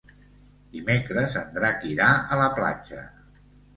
Dimecres en Drac irà a la platja.